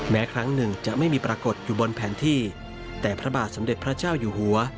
แม้ครั้งหนึ่งจะไม่มีปรากฏอยู่บนแผนที่แต่พระบาทสมเด็จพระเจ้าอยู่หัว